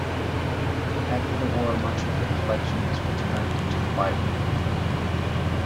After the war much of the collection was returned to the library.